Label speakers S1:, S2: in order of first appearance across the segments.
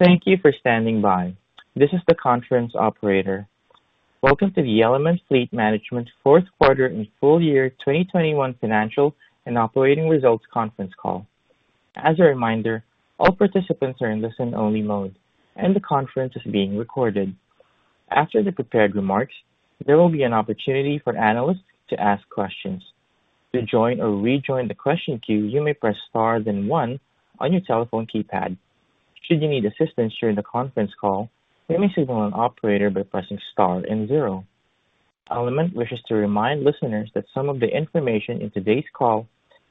S1: Thank you for standing by. This is the conference operator. Welcome to the Element Fleet Management fourth quarter and full year 2021 financial and operating results conference call. As a reminder, all participants are in listen-only mode, and the conference is being recorded. After the prepared remarks, there will be an opportunity for analysts to ask questions. To join or rejoin the question queue, you may press star then one on your telephone keypad. Should you need assistance during the conference call, you may signal an operator by pressing Star and 0. Element wishes to remind listeners that some of the information in today's call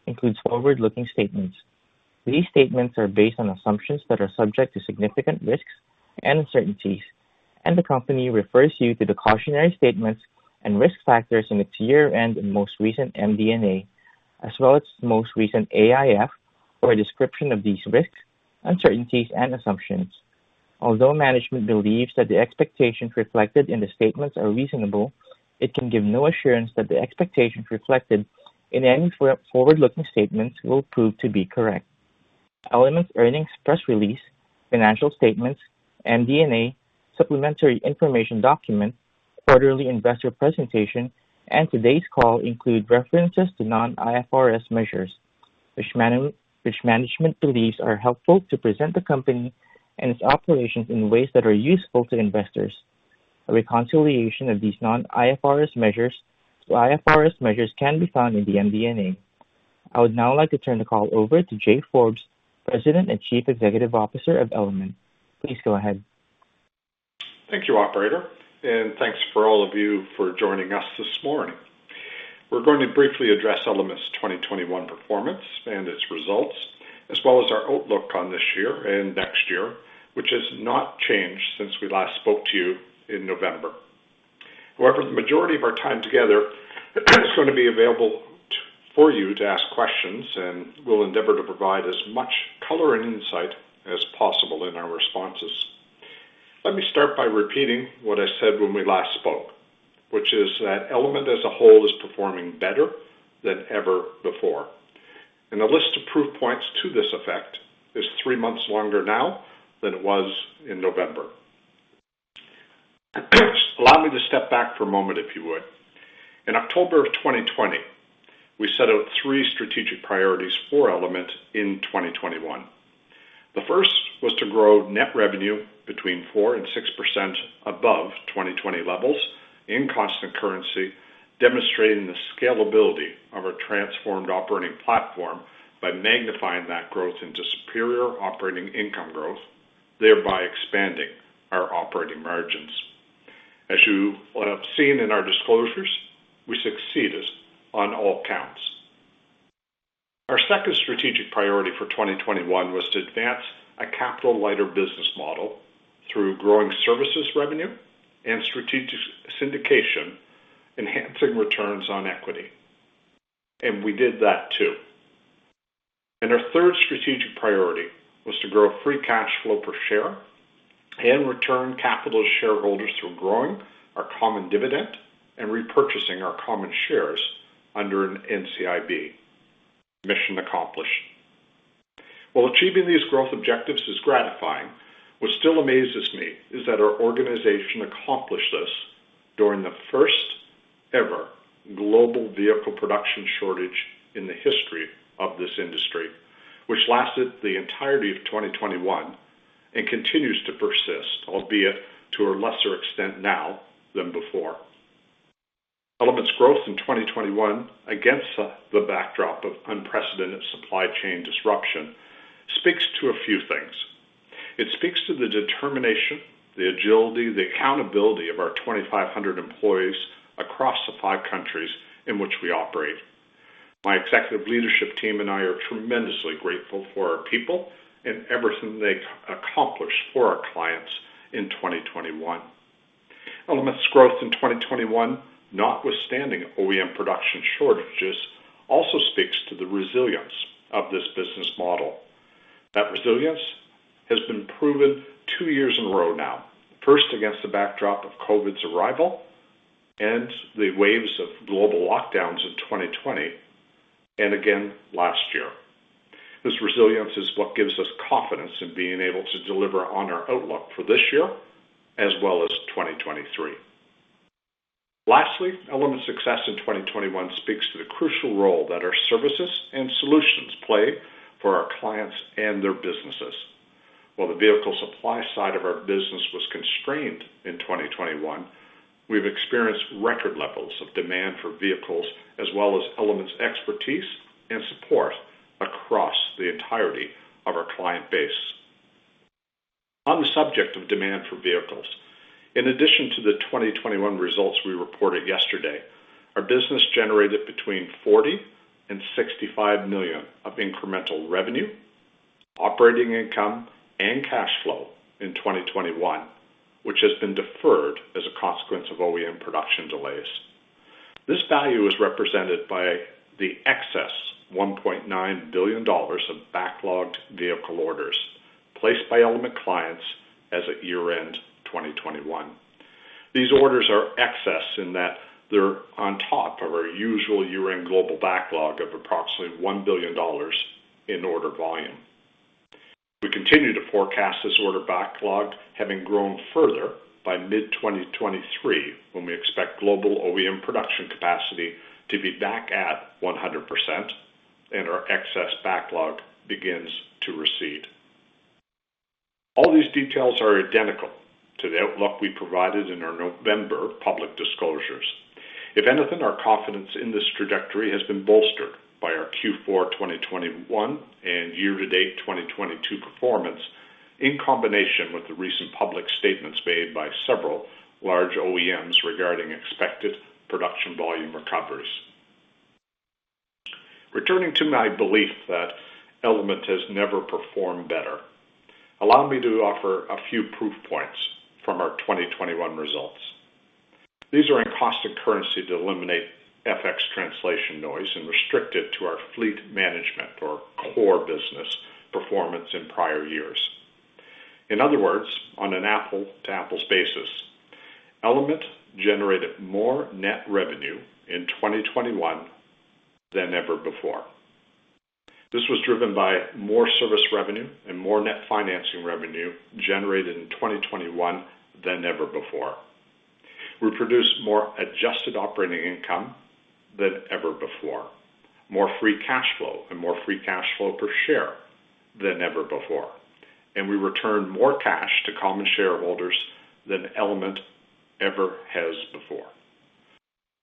S1: includes forward-looking statements. These statements are based on assumptions that are subject to significant risks and uncertainties, and the company refers you to the cautionary statements and risk factors in its year-end and most recent MD&A as well as most recent AIF for a description of these risks, uncertainties, and assumptions. Although management believes that the expectations reflected in the statements are reasonable, it can give no assurance that the expectations reflected in any forward-looking statements will prove to be correct. Element's earnings press release, financial statements, MD&A, supplementary information document, quarterly investor presentation, and today's call include references to non-IFRS measures which management believes are helpful to present the company and its operations in ways that are useful to investors. A reconciliation of these non-IFRS measures to IFRS measures can be found in the MD&A. I would now like to turn the call over to Jay Forbes, President, and Chief Executive Officer of Element. Please go ahead.
S2: Thank you, operator, and thanks for all of you for joining us this morning. We're going to briefly address Element's 2021 performance and its results as well as our outlook on this year and next year, which has not changed since we last spoke to you in November. However, the majority of our time together is gonna be available for you to ask questions, and we'll endeavor to provide as much color and insight as possible in our responses. Let me start by repeating what I said when we last spoke, which is that Element as a whole is performing better than ever before. The list of proof points to this effect is three months longer now than it was in November. Allow me to step back for a moment, if you would. In October of 2020, we set out three strategic priorities for Element in 2021. The first was to grow net revenue between 4% and 6% above 2020 levels in constant currency, demonstrating the scalability of our transformed operating platform by magnifying that growth into superior operating income growth, thereby expanding our operating margins. As you will have seen in our disclosures, we succeeded on all counts. Our second strategic priority for 2021 was to advance a capital-lighter business model through growing services revenue and strategic syndication, enhancing returns on equity. We did that, too. Our third strategic priority was to grow free cash flow per share and return capital to shareholders through growing our common dividend and repurchasing our common shares under an NCIB. Mission accomplished. While achieving these growth objectives is gratifying, what still amazes me is that our organization accomplished this during the first-ever global vehicle production shortage in the history of this industry, which lasted the entirety of 2021 and continues to persist, albeit to a lesser extent now than before. Element's growth in 2021 against the backdrop of unprecedented supply chain disruption speaks to a few things. It speaks to the determination, the agility, the accountability of our 2,500 employees across the five countries in which we operate. My executive leadership team and I are tremendously grateful for our people and everything they accomplished for our clients in 2021. Element's growth in 2021, notwithstanding OEM production shortages, also speaks to the resilience of this business model. That resilience has been proven two years in a row now. First against the backdrop of COVID's arrival and the waves of global lockdowns in 2020, and again last year. This resilience is what gives us confidence in being able to deliver on our outlook for this year as well as 2023. Lastly, Element's success in 2021 speaks to the crucial role that our services and solutions play for our clients and their businesses. While the vehicle supply side of our business was constrained in 2021, we've experienced record levels of demand for vehicles as well as Element's expertise and support across the entirety of our client base. On the subject of demand for vehicles, in addition to the 2021 results we reported yesterday, our business generated between 40 million and 65 million of incremental revenue, operating income, and cash flow in 2021, which has been deferred as a consequence of OEM production delays. This value is represented by the excess 1.9 billion dollars of backlogged vehicle orders placed by Element clients. As at year-end 2021. These orders are excess in that they're on top of our usual year-end global backlog of approximately 1 billion dollars in order volume. We continue to forecast this order backlog having grown further by mid-2023 when we expect global OEM production capacity to be back at 100% and our excess backlog begins to recede. All these details are identical to the outlook we provided in our November public disclosures. If anything, our confidence in this trajectory has been bolstered by our Q4 2021 and year-to-date 2022 performance, in combination with the recent public statements made by several large OEMs regarding expected production volume recoveries. Returning to my belief that Element has never performed better, allow me to offer a few proof points from our 2021 results. These are in constant currency to eliminate FX translation noise and restricted to our fleet management or core business performance in prior years. In other words, on an apple-to-apples basis, Element generated more net revenue in 2021 than ever before. This was driven by more service revenue and more net financing revenue generated in 2021 than ever before. We produced more adjusted operating income than ever before, more free cash flow and more free cash flow per share than ever before, and we returned more cash to common shareholders than Element ever has before.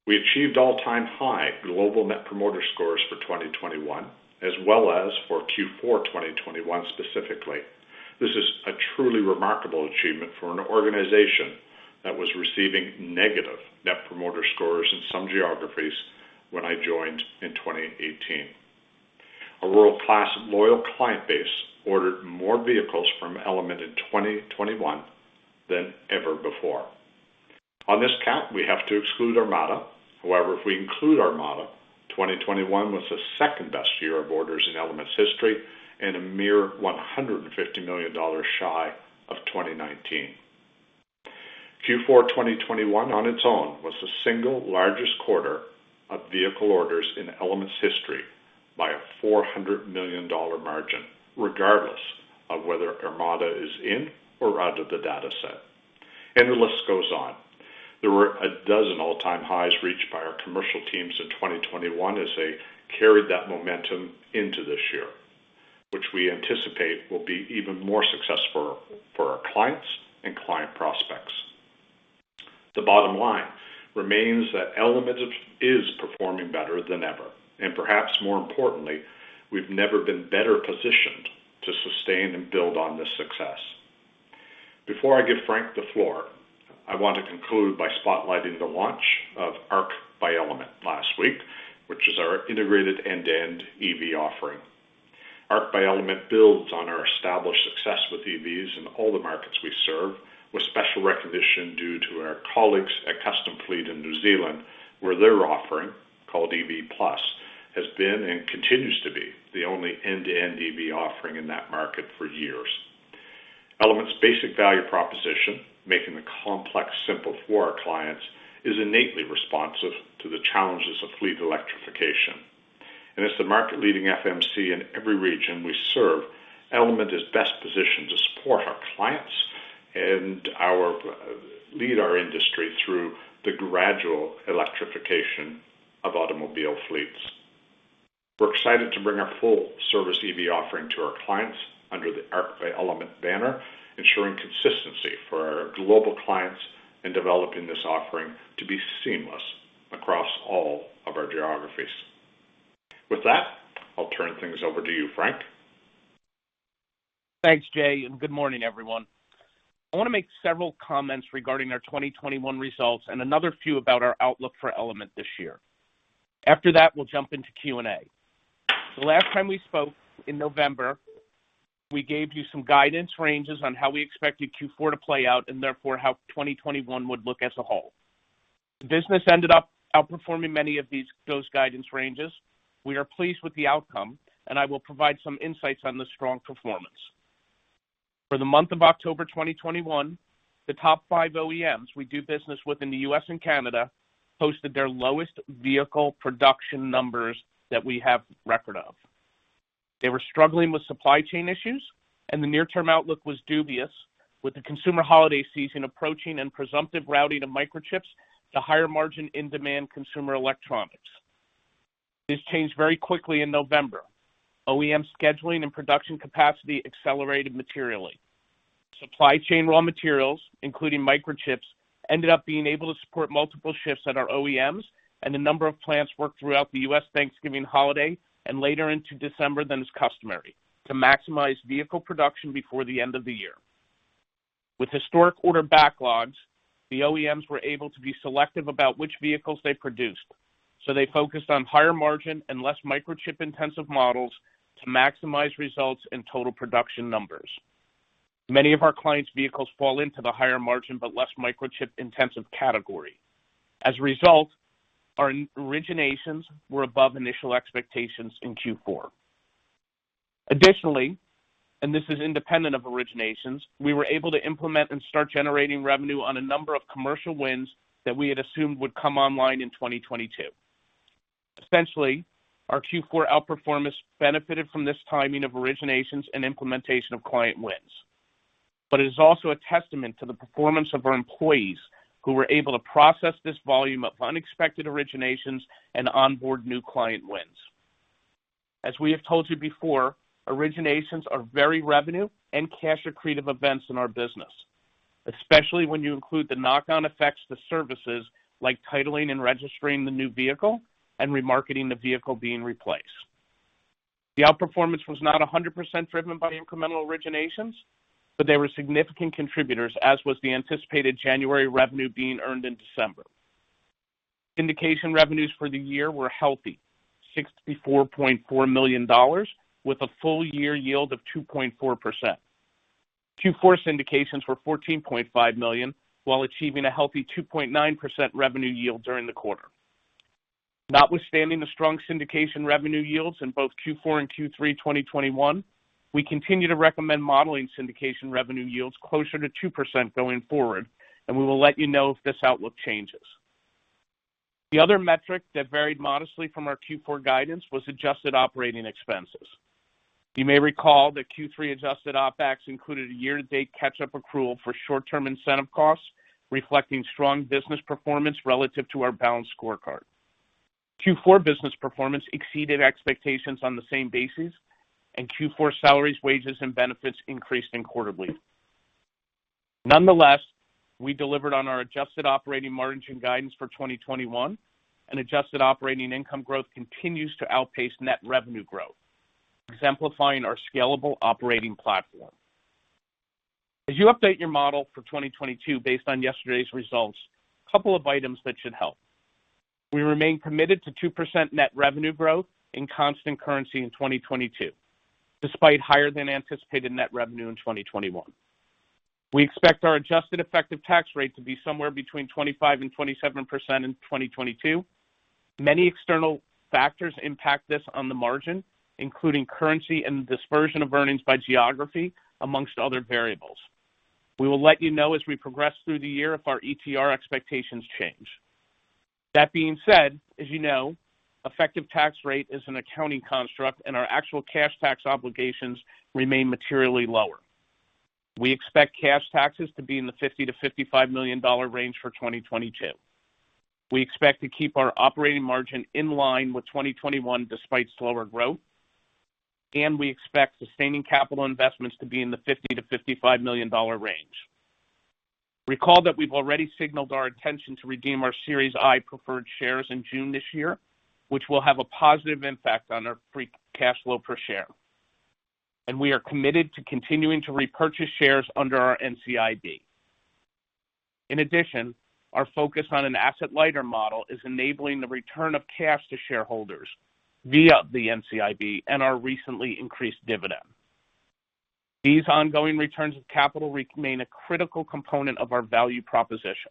S2: We achieved all-time high global net promoter scores for 2021 as well as for Q4 2021 specifically. This is a truly remarkable achievement for an organization that was receiving negative net promoter scores in some geographies when I joined in 2018. A world-class loyal client base ordered more vehicles from Element in 2021 than ever before. On this count, we have to exclude Armada. However, if we include Armada, 2021 was the second-best year of orders in Element's history and a mere $150 million shy of 2019. Q4 2021 on its own was the single largest quarter of vehicle orders in Element's history by a $400 million margin, regardless of whether Armada is in or out of the data set. The list goes on. There were a dozen all-time highs reached by our commercial teams in 2021 as they carried that momentum into this year, which we anticipate will be even more successful for our clients and client prospects. The bottom line remains that Element is performing better than ever, and perhaps more importantly, we've never been better positioned to sustain and build on this success. Before I give Frank the floor, I want to conclude by spotlighting the launch of Arc by Element last week, which is our integrated end-to-end EV offering. Arc by Element builds on our established success with EVs in all the markets we serve, with special recognition due to our colleagues at Custom Fleet in New Zealand, where their offering, called EV+ Programme, has been and continues to be the only end-to-end EV offering in that market for years. Element's basic value proposition, making the complex simple for our clients, is innately responsive to the challenges of fleet electrification. As the market-leading FMC in every region we serve, Element is best positioned to support our clients and lead our industry through the gradual electrification of automobile fleets. We're excited to bring our full-service EV offering to our clients under the Arc by Element banner, ensuring consistency for our global clients in developing this offering to be seamless across all of our geographies. With that, I'll turn things over to you, Frank.
S3: Thanks, Jay, and good morning, everyone. I want to make several comments regarding our 2021 results and another few about our outlook for Element this year. After that, we'll jump into Q&A. The last time we spoke in November, we gave you some guidance ranges on how we expected Q4 to play out and therefore how 2021 would look as a whole. The business ended up outperforming many of these guidance ranges. We are pleased with the outcome, and I will provide some insights on the strong performance. For the month of October 2021, the top 5 OEMs we do business with in the U.S. and Canada posted their lowest vehicle production numbers that we have record of. They were struggling with supply chain issues, and the near-term outlook was dubious, with the consumer holiday season approaching and presumptive routing of microchips to higher-margin in-demand consumer electronics. This changed very quickly in November. OEM scheduling and production capacity accelerated materially. Supply chain raw materials, including microchips, ended up being able to support multiple shifts at our OEMs, and a number of plants worked throughout the U.S. Thanksgiving holiday and later into December than is customary to maximize vehicle production before the end of the year. With historic order backlogs, the OEMs were able to be selective about which vehicles they produced, so they focused on higher margin and less Microchip-intensive models to maximize results in total production numbers. Many of our clients' vehicles fall into the higher margin but less Microchip-intensive category. As a result, our originations were above initial expectations in Q4. Additionally, and this is independent of originations, we were able to implement and start generating revenue on a number of commercial wins that we had assumed would come online in 2022. Essentially, our Q4 outperformance benefited from this timing of originations and implementation of client wins. It is also a testament to the performance of our employees who were able to process this volume of unexpected originations and onboard new client wins. As we have told you before, originations are very revenue and cash-accretive events in our business, especially when you include the knock-on effects to services like titling and registering the new vehicle and remarketing the vehicle being replaced. The outperformance was not 100% driven by incremental originations, but they were significant contributors, as was the anticipated January revenue being earned in December. Syndication revenues for the year were healthy, $64.4 million with a full-year yield of 2.4%. Q4 syndications were $14.5 million, while achieving a healthy 2.9% revenue yield during the quarter. Notwithstanding the strong syndication revenue yields in both Q4 and Q3 2021, we continue to recommend modeling syndication revenue yields closer to 2% going forward, and we will let you know if this outlook changes. The other metric that varied modestly from our Q4 guidance was adjusted operating expenses. You may recall that Q3 adjusted OpEx included a year-to-date catch-up accrual for short-term incentive costs, reflecting strong business performance relative to our balanced scorecard. Q4 business performance exceeded expectations on the same basis, and Q4 salaries, wages, and benefits increased quarter-over-quarter. Nonetheless, we delivered on our adjusted operating margin guidance for 2021 and adjusted operating income growth continues to outpace net revenue growth, exemplifying our scalable operating platform. As you update your model for 2022 based on yesterday's results, a couple of items that should help. We remain committed to 2% net revenue growth in constant currency in 2022, despite higher than anticipated net revenue in 2021. We expect our adjusted effective tax rate to be somewhere between 25% and 27% in 2022. Many external factors impact this on the margin, including currency and the dispersion of earnings by geography, amongst other variables. We will let you know as we progress through the year if our ETR expectations change. That being said, as you know, effective tax rate is an accounting construct and our actual cash tax obligations remain materially lower. We expect cash taxes to be in the 50 million-55 million dollar range for 2022. We expect to keep our operating margin in line with 2021 despite slower growth, and we expect sustaining capital investments to be in the 50 million-55 million dollar range. Recall that we've already signaled our intention to redeem our Series I preferred shares in June this year, which will have a positive impact on our free cash flow per share. We are committed to continuing to repurchase shares under our NCIB. In addition, our focus on an asset-lighter model is enabling the return of cash to shareholders via the NCIB and our recently increased dividend. These ongoing returns of capital remain a critical component of our value proposition.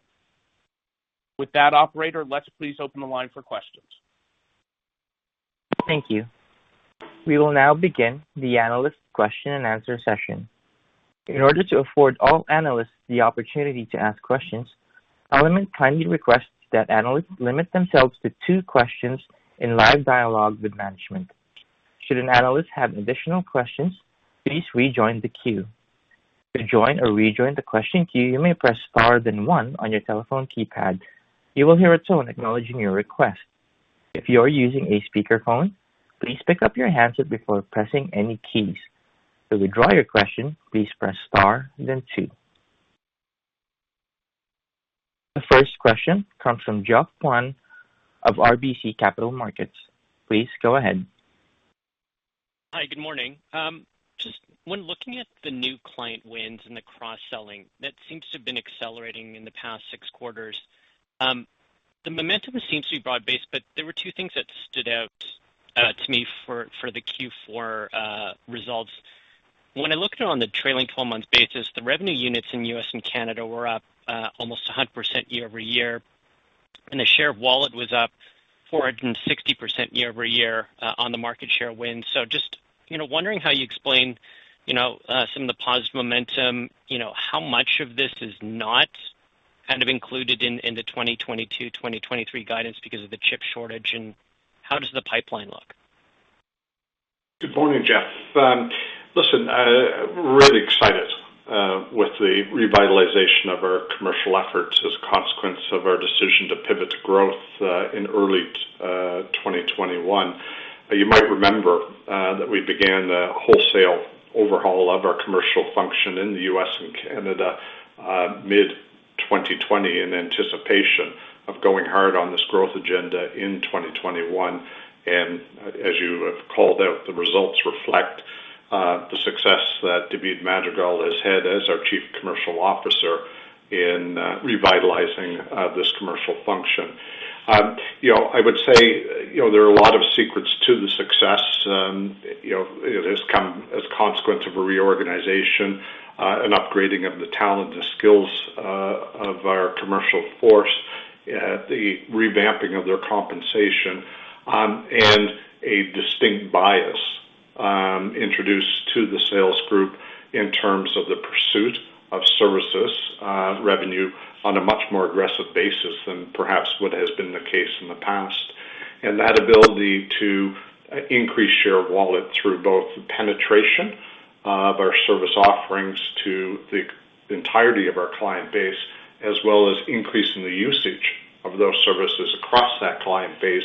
S3: With that, operator, let's please open the line for questions.
S1: Thank you. We will now begin the analyst question-and-answer session. In order to afford all analysts the opportunity to ask questions, Element kindly requests that analysts limit themselves to two questions in live dialogue with management. Should an analyst have additional questions, please rejoin the queue. To join or rejoin the question queue, you may press star then one on your telephone keypad. You will hear a tone acknowledging your request. If you are using a speakerphone, please pick up your handset before pressing any keys. To withdraw your question, please press star then two. The first question comes from Geoffrey Kwan of RBC Capital Markets. Please go ahead.
S4: Hi, good morning. Just when looking at the new client wins and the cross-selling, that seems to have been accelerating in the past six quarters. The momentum seems to be broad-based, but there were two things that stood out to me for the Q4 results. When I look at it on the trailing 12 months basis, the revenue units in U.S. and Canada were up almost 100% year-over-year, and the share of wallet was up 460% year-over-year on the market share wins. Just, you know, wondering how you explain some of the positive momentum, you know, how much of this is not kind of included in the 2022, 2023 guidance because of the chip shortage, and how does the pipeline look?
S2: Good morning, Geoff. Listen, really excited with the revitalization of our commercial efforts as a consequence of our decision to pivot to growth in early 2021. You might remember that we began the wholesale overhaul of our commercial function in the U.S. and Canada mid-2020 in anticipation of going hard on this growth agenda in 2021. As you have called out, the results reflect the success that David Madrigal has had as our Chief Commercial Officer in revitalizing this commercial function. You know, I would say. You know, there are a lot of secrets to the success. You know, it has come as a consequence of a reorganization, an upgrading of the talent, the skills, of our commercial force, the revamping of their compensation, and a distinct bias, introduced to the sales group in terms of the pursuit of services, revenue on a much more aggressive basis than perhaps what has been the case in the past. That ability to increase share of wallet through both the penetration of our service offerings to the entirety of our client base, as well as increasing the usage of those services across that client base,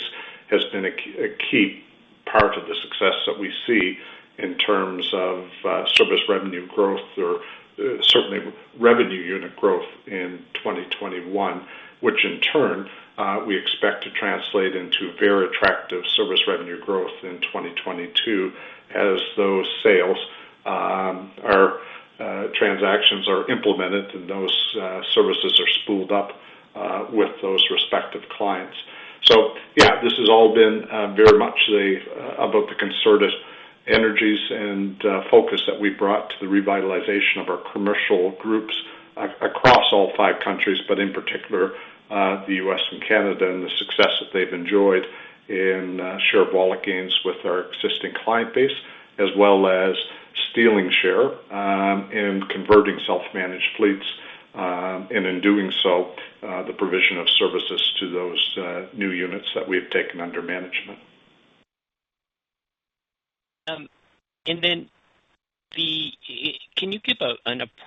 S2: has been a key part of the success that we see in terms of service revenue growth or certainly revenue unit growth in 2021, which in turn we expect to translate into very attractive service revenue growth in 2022 as those sales transactions are implemented and those services are spooled up with those respective clients. This has all been very much about the concerted energies and focus that we brought to the revitalization of our commercial groups across all five countries, but in particular, the U.S. and Canada, and the success that they've enjoyed in share of wallet gains with our existing client base, as well as stealing share and converting self-managed fleets, and in doing so, the provision of services to those new units that we have taken under management.
S4: Can you give a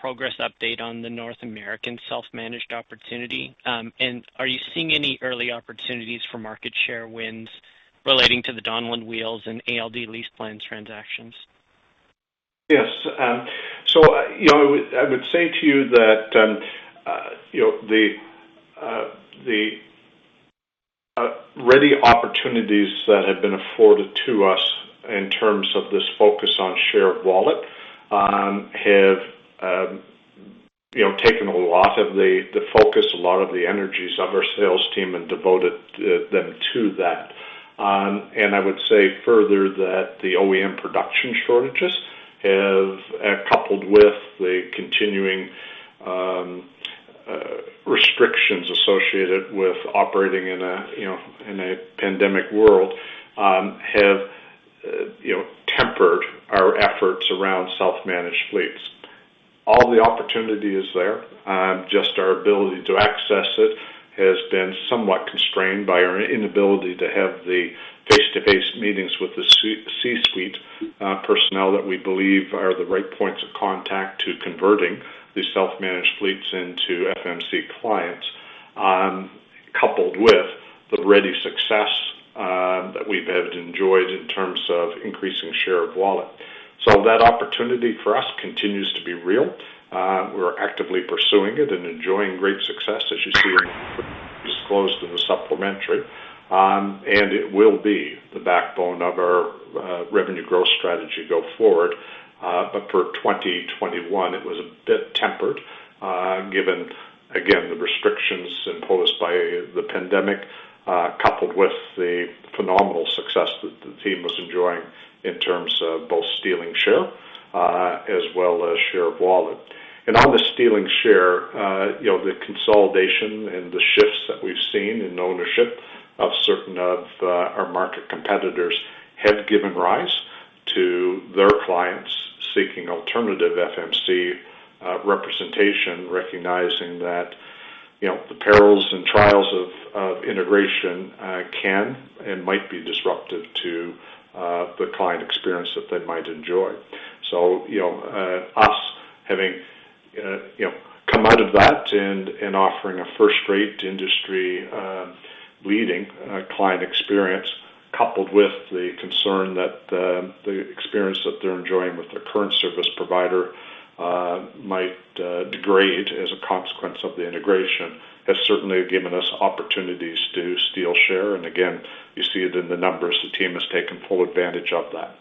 S4: progress update on the North American self-managed opportunity? Are you seeing any early opportunities for market share wins relating to the Wheels Donlen and ALD LeasePlan transactions?
S2: Yes. You know, I would say to you that you know, the ready opportunities that have been afforded to us in terms of this focus on share of wallet have you know, taken a lot of the focus, a lot of the energies of our sales team and devoted them to that. I would say further that the OEM production shortages have coupled with the continuing restrictions associated with operating in a you know, in a pandemic world have you know, tempered our efforts around self-managed fleets. All the opportunity is there, just our ability to access it has been somewhat constrained by our inability to have the face-to-face meetings with the C-suite personnel that we believe are the right points of contact to converting these self-managed fleets into FMC clients, coupled with the ready success that we've had enjoyed in terms of increasing share of wallet. That opportunity for us continues to be real. We're actively pursuing it and enjoying great success, as you see in what we disclosed in the supplementary. It will be the backbone of our revenue growth strategy go forward. For 2021, it was a bit tempered, given again, the restrictions imposed by the pandemic, coupled with the phenomenal success that the team was enjoying in terms of both stealing share, as well as share of wallet. On the stealing share, you know, the consolidation and the shifts that we've seen in ownership of certain of our market competitors have given rise to their clients seeking alternative FMC representation, recognizing that, you know, the perils and trials of integration can and might be disruptive to the client experience that they might enjoy. You know, us having come out of that and offering a first-rate industry leading client experience, coupled with the concern that the experience that they're enjoying with their current service provider might degrade as a consequence of the integration, has certainly given us opportunities to steal share. Again, you see it in the numbers. The team has taken full advantage of that.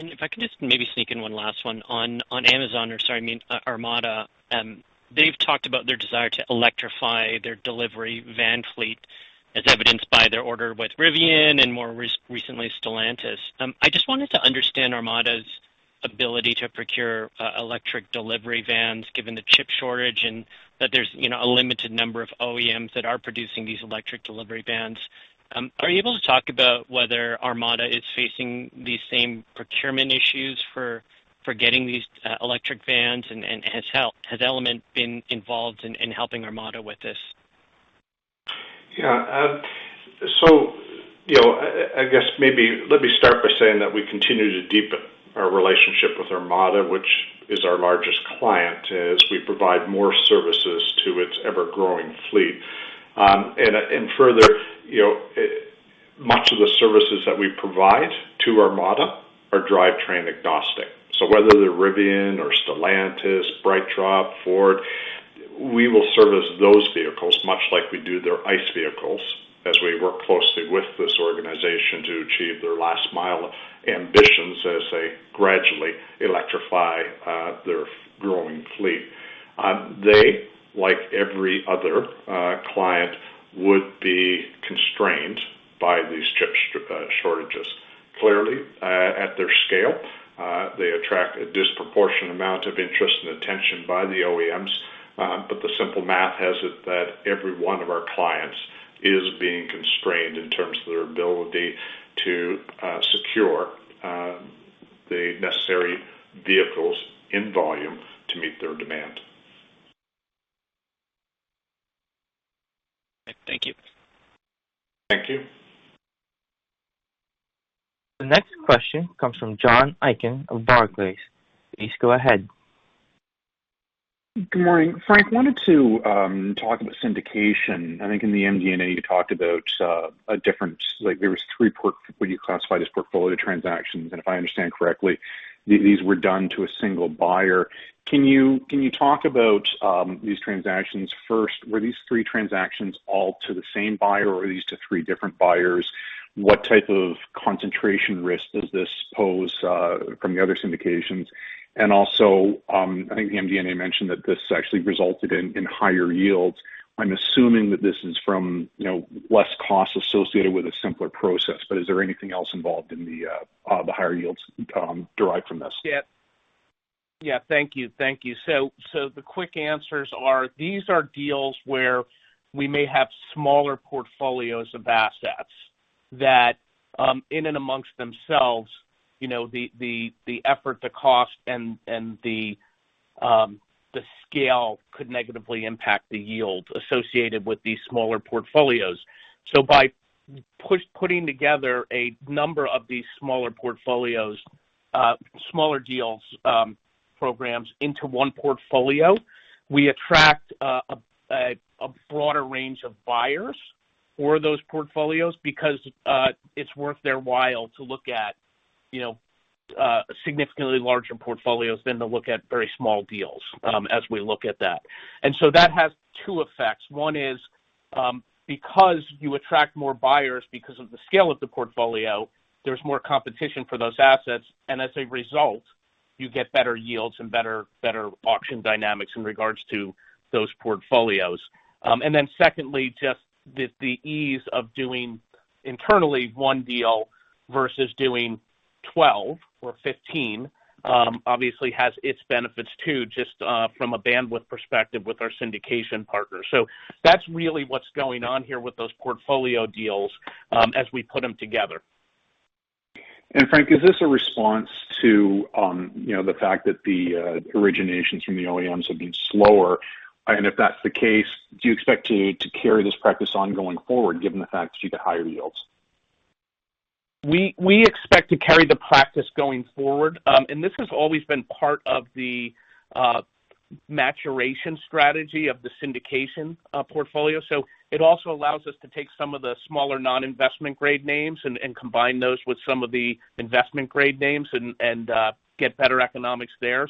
S4: If I could just maybe sneak in one last one. On Armada, they've talked about their desire to electrify their delivery van fleet as evidenced by their order with Rivian and more recently Stellantis. I just wanted to understand Armada's ability to procure electric delivery vans, given the chip shortage and that there's, you know, a limited number of OEMs that are producing these electric delivery vans. Are you able to talk about whether Armada is facing these same procurement issues for getting these electric vans? Has Element been involved in helping Armada with this?
S2: Yeah. You know, I guess maybe let me start by saying that we continue to deepen our relationship with Armada, which is our largest client, as we provide more services to its ever-growing fleet. Further, you know, much of the services that we provide to Armada are drivetrain agnostic. Whether they're Rivian or Stellantis, BrightDrop, Ford, we will service those vehicles much like we do their ICE vehicles as we work closely with this organization to achieve their last mile ambitions as they gradually electrify their growing fleet. They, like every other client, would be constrained by these chip shortages. Clearly, at their scale, they attract a disproportionate amount of interest and attention by the OEMs. The simple math has it that every one of our clients is being constrained in terms of their ability to secure the necessary vehicles in volume to meet their demand.
S4: Thank you.
S2: Thank you.
S1: The next question comes from John Aiken of Barclays. Please go ahead.
S5: Good morning. Frank, I wanted to talk about syndication. I think in the MD&A, you talked about a difference. Like there was three what you classify as portfolio transactions. If I understand correctly, these were done to a single buyer. Can you talk about these transactions first? Were these three transactions all to the same buyer or are these to three different buyers? What type of concentration risk does this pose from the other syndications? Also, I think the MD&A mentioned that this actually resulted in higher yields. I'm assuming that this is from, you know, less costs associated with a simpler process. But is there anything else involved in the higher yields derived from this?
S3: Yeah. Thank you. The quick answers are, these are deals where we may have smaller portfolios of assets that, in and amongst themselves, you know, the effort, the cost and the scale could negatively impact the yields associated with these smaller portfolios. By putting together a number of these smaller portfolios, smaller deals, programs into one portfolio, we attract a broader range of buyers for those portfolios because it's worth their while to look at, you know, significantly larger portfolios than to look at very small deals, as we look at that. That has two effects. One is, because you attract more buyers because of the scale of the portfolio, there's more competition for those assets, and as a result, you get better yields and better auction dynamics in regards to those portfolios. And then secondly, just the ease of doing internally one deal versus doing 12 or 15, obviously has its benefits too, just, from a bandwidth perspective with our syndication partners. That's really what's going on here with those portfolio deals, as we put them together.
S5: Frank, is this a response to the fact that the originations from the OEMs have been slower? If that's the case, do you expect to carry this practice on going forward, given the fact that you get higher yields?
S3: We expect to carry the practice going forward. This has always been part of the maturation strategy of the syndication portfolio. It also allows us to take some of the smaller non-investment grade names and get better economics there.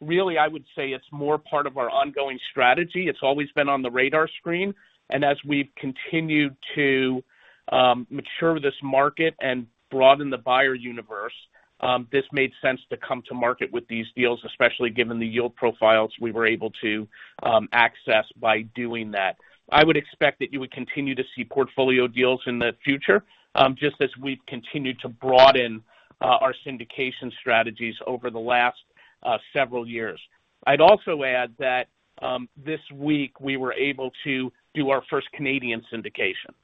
S3: Really, I would say it's more part of our ongoing strategy. It's always been on the radar screen. As we've continued to mature this market and broaden the buyer universe, this made sense to come to market with these deals, especially given the yield profiles we were able to access by doing that. I would expect that you would continue to see portfolio deals in the future, just as we've continued to broaden our syndication strategies over the last several years. I'd also add that, this week we were able to do our first Canadian syndication.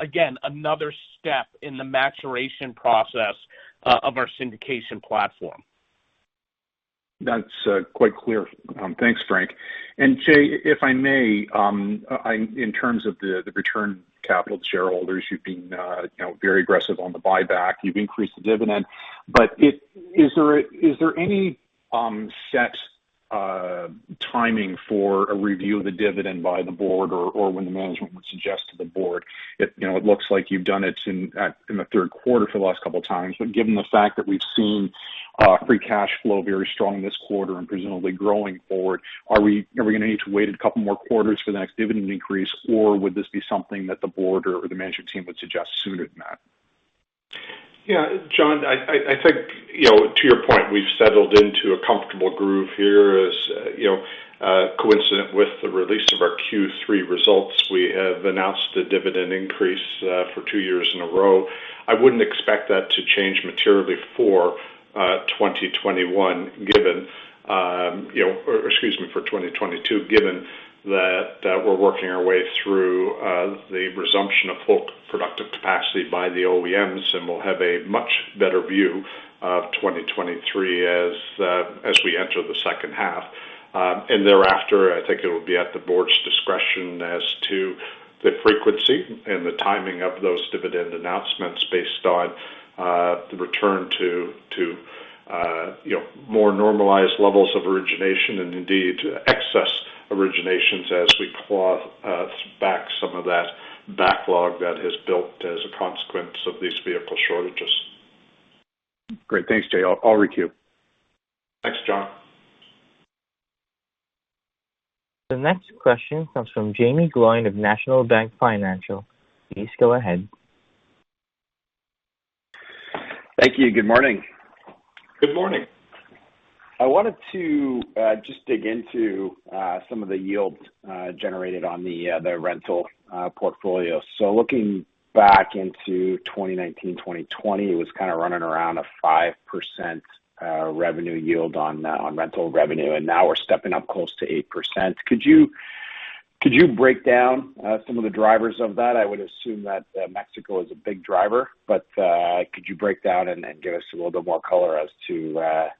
S3: Again, another step in the maturation process of our syndication platform.
S5: That's quite clear. Thanks, Frank. Jay, if I may, in terms of the return capital to shareholders, you've been, you know, very aggressive on the buyback. You've increased the dividend. But is there any set timing for a review of the dividend by the board or when the management would suggest to the board? You know, it looks like you've done it in the third quarter for the last couple of times. But given the fact that we've seen free cash flow very strong this quarter and presumably growing forward, are we gonna need to wait a couple more quarters for the next dividend increase, or would this be something that the board or the management team would suggest sooner than that?
S2: Yeah, John, I think, you know, to your point, we've settled into a comfortable groove here. As you know, coincident with the release of our Q3 results, we have announced a dividend increase for two years in a row. I wouldn't expect that to change materially before 2022, given that we're working our way through the resumption of full productive capacity by the OEMs, and we'll have a much better view of 2023 as we enter the second half. Thereafter, I think it will be at the board's discretion as to the frequency and the timing of those dividend announcements based on the return to, you know, more normalized levels of origination and indeed excess originations as we claw back some of that backlog that has built as a consequence of these vehicle shortages.
S5: Great. Thanks, Jay. I'll requeue.
S2: Thanks, John.
S1: The next question comes from Jaeme Gloyn of National Bank Financial. Please go ahead.
S6: Thank you. Good morning.
S2: Good morning.
S6: I wanted to just dig into some of the yields generated on the rental portfolio. Looking back into 2019, 2020, it was kind of running around a 5% revenue yield on rental revenue, and now we're stepping up close to 8%. Could you break down some of the drivers of that? I would assume that Mexico is a big driver, but could you break down and give us a little bit more color as to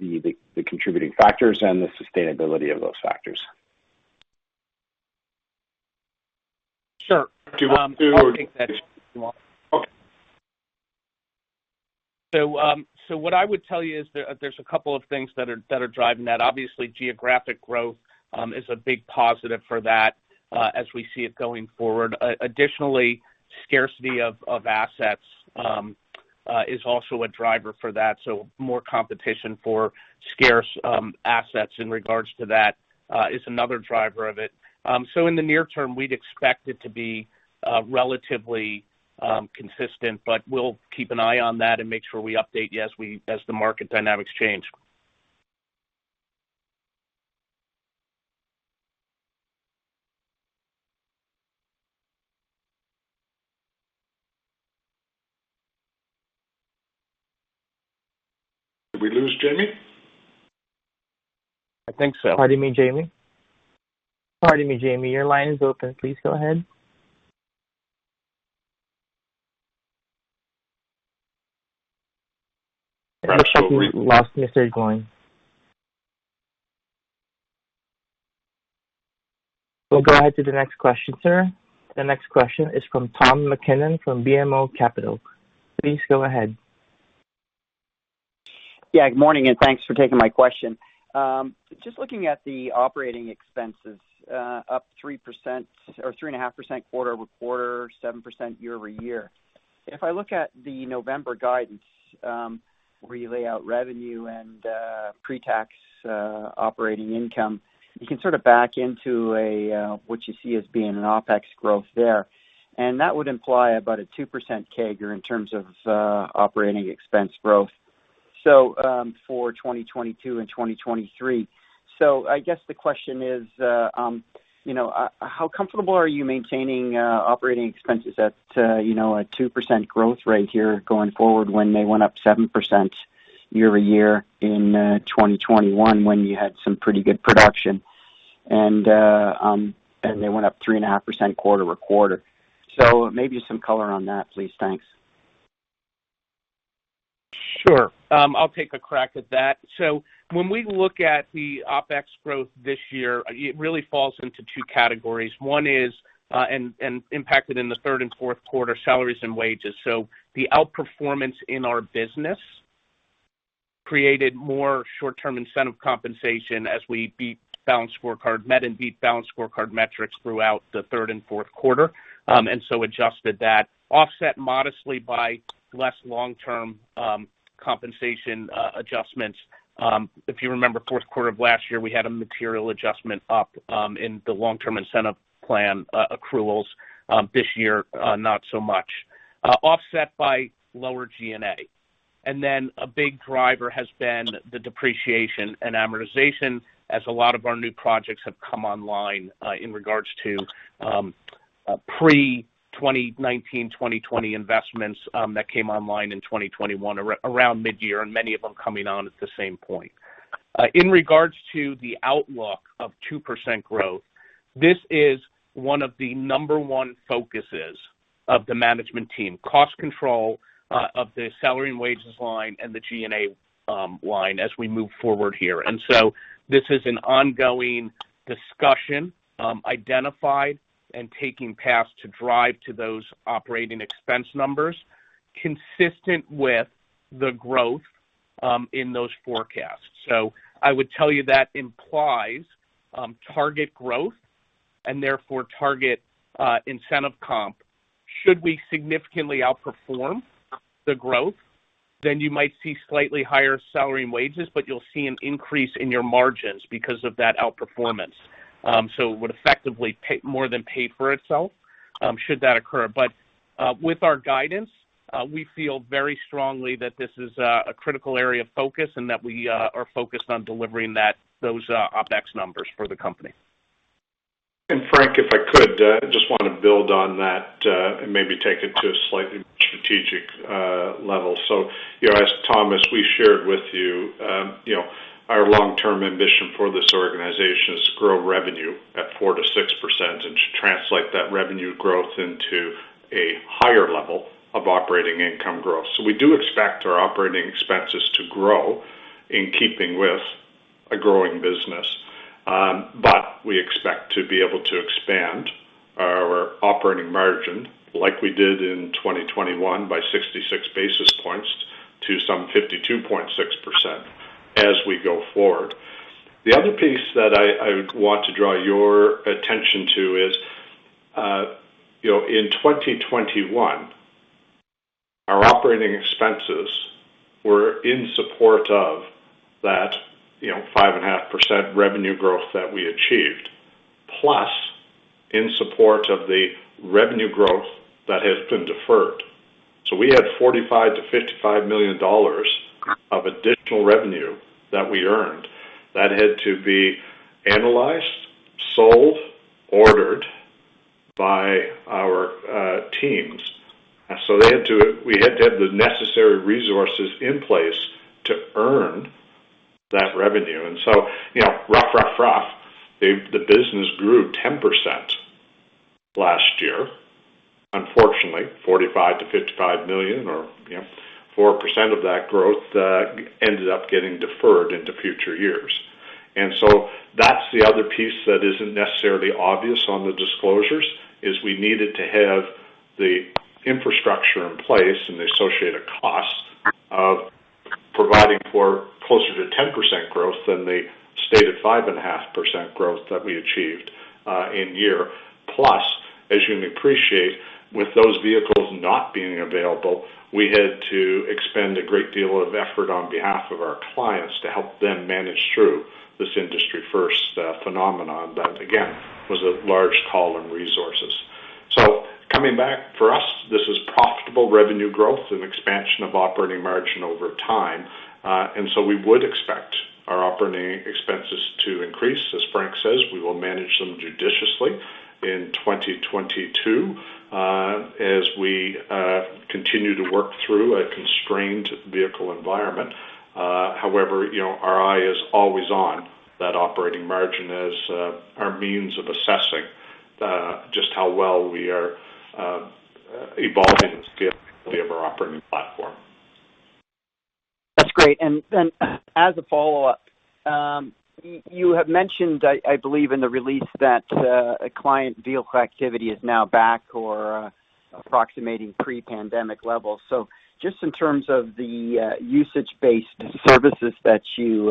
S6: the contributing factors and the sustainability of those factors?
S3: Sure. What I would tell you is there's a couple of things that are driving that. Obviously, geographic growth is a big positive for that, as we see it going forward. Additionally, scarcity of assets is also a driver for that, so more competition for scarce assets in regards to that is another driver of it. In the near term, we'd expect it to be relatively consistent, but we'll keep an eye on that and make sure we update you as the market dynamics change.
S2: Did we lose Jaeme?
S3: I think so.
S1: Pardon me, Jaeme. Your line is open. Please go ahead. It looks like we lost Mr. Gloyn. We'll go ahead to the next question, sir. The next question is from Tom MacKinnon from BMO Capital Markets. Please go ahead.
S7: Yeah, good morning, and thanks for taking my question. Just looking at the operating expenses, up 3% or 3.5% quarter-over-quarter, 7% year-over-year. If I look at the November guidance, where you lay out revenue and pre-tax operating income, you can sort of back into a what you see as being an OpEx growth there. That would imply about a 2% CAGR or in terms of operating expense growth, for 2022 and 2023. I guess the question is, you know, how comfortable are you maintaining operating expenses at, you know, a 2% growth rate here going forward when they went up 7% year-over-year in 2021 when you had some pretty good production and they went up 3.5% quarter-over-quarter. Maybe some color on that, please. Thanks.
S3: Sure. I'll take a crack at that. When we look at the OpEx growth this year, it really falls into two categories. One is impacted in the third and fourth quarter salaries and wages. The outperformance in our business created more short-term incentive compensation as we met and beat balanced scorecard metrics throughout the third and fourth quarter and so adjusted that, offset modestly by less long-term compensation adjustments. If you remember fourth quarter of last year, we had a material adjustment up in the long-term incentive plan accruals this year not so much, offset by lower G&A. A big driver has been the depreciation and amortization as a lot of our new projects have come online in regards to pre-2019, 2020 investments that came online in 2021 around midyear, and many of them coming on at the same point. In regards to the outlook of 2% growth, this is one of the number one focuses of the management team. Cost control of the salary and wages line and the G&A line as we move forward here. This is an ongoing discussion identified and taking paths to drive to those operating expense numbers consistent with the growth in those forecasts. I would tell you that implies target growth and therefore target incentive comp. Should we significantly outperform the growth, then you might see slightly higher salary and wages, but you'll see an increase in your margins because of that outperformance. It would effectively more than pay for itself, should that occur. With our guidance, we feel very strongly that this is a critical area of focus and that we are focused on delivering those OpEx numbers for the company.
S2: Frank, if I could, just want to build on that, and maybe take it to a slightly strategic, level. You know, as Tom, we shared with you know, our long-term ambition for this organization is to grow revenue at 4%-6% and to translate that revenue growth into a higher level of operating income growth. We do expect our operating expenses to grow in keeping with a growing business. But we expect to be able to expand our operating margin like we did in 2021 by 66 basis points to some 52.6% as we go forward. The other piece that I want to draw your attention to is, you know, in 2021, our operating expenses were in support of that, you know, 5.5% revenue growth that we achieved. Plus in support of the revenue growth that has been deferred. We had 45 million-55 million dollars of additional revenue that we earned that had to be analyzed, sold, ordered by our teams. We had to have the necessary resources in place to earn that revenue. You know, roughly, the business grew 10% last year. Unfortunately, 45 million-55 million or, you know, 4% of that growth ended up getting deferred into future years. That's the other piece that isn't necessarily obvious on the disclosures, is we needed to have the infrastructure in place and the associated cost of providing for closer to 10% growth than the stated 5.5% growth that we achieved in year. Plus, as you can appreciate, with those vehicles not being available, we had to expend a great deal of effort on behalf of our clients to help them manage through this industry first phenomenon. That, again, was a large call on resources. Coming back for us, this is profitable revenue growth and expansion of operating margin over time. We would expect our operating expenses to increase. As Frank says, we will manage them judiciously in 2022 as we continue to work through a constrained vehicle environment. However, you know, our eye is always on that operating margin as our means of assessing just how well we are evolving the scale of our operating platform.
S7: That's great. As a follow-up, you have mentioned, I believe in the release that a client vehicle activity is now back or approximating pre-pandemic levels. Just in terms of the usage-based services that you